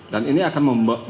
dan ini akan